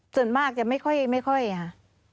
ส่วนมากจะไม่ค่อยค่ะ